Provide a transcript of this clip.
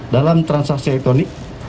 dalam transaksi ekonik